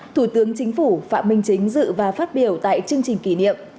thủ tướng chính phủ phạm minh chính dự và phát biểu tại chương trình kỷ niệm